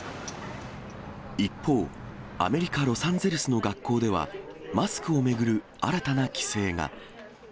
一方、アメリカ・ロサンゼルスの学校では、マスクを巡る新たな規制が。